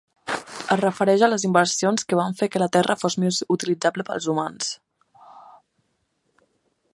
Es refereix a les inversions que van fer que la terra fos més utilitzable pels humans.